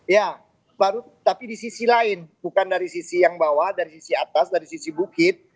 ya baru tapi di sisi lain bukan dari sisi yang bawah dari sisi atas dari sisi bukit